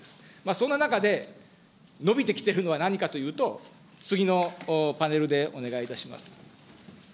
そんな中で、伸びてきているのは何かというと、次のパネルでお願いいたします。